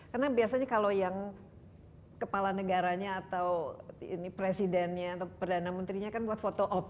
karena biasanya kalau yang kepala negaranya atau presidennya atau perdana menterinya kan buat foto op